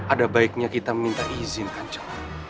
ada baiknya kita minta izin kanca